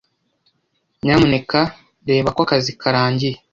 Nyamuneka reba ko akazi karangiye.